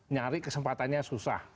nyari kesempatannya susah